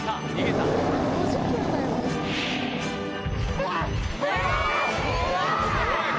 うわ！